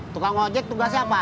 tukang ojek tugas siapa